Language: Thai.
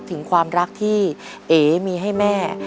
ถึงความรักที่เอ๋มีให้แม่